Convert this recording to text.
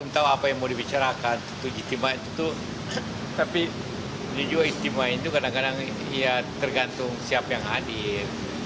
entah apa yang mau dibicarakan tetap istimewa itu tapi menuju istimewa itu kadang kadang tergantung siapa yang hadir